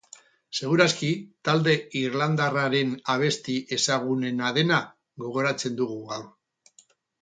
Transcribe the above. Segur aski, talde irlandarraren abesti ezagunena dena gogoratzen dugu gaur.